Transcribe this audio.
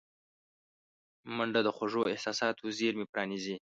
منډه د خوږو احساساتو زېرمې پرانیزي